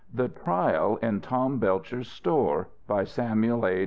THE TRIAL IN TOM BELCHER'S STORE BY SAMUEL A.